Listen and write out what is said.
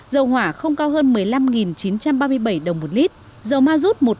dầu hỏa không cao hơn một mươi năm chín trăm ba mươi bảy đồng một lít dầu ma rút một trăm ba mươi